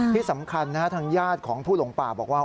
ที่สำคัญนะฮะทางญาติของผู้หลงป่าบอกว่า